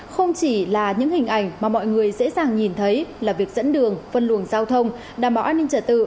không chỉ là những hình ảnh mà mọi người dễ dàng nhìn thấy là việc dẫn đường phân luồng giao thông đảm bảo an ninh trả tự